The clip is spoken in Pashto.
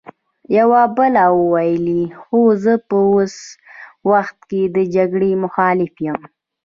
يوه بل وويل: خو زه په اوس وخت کې د جګړې مخالف يم!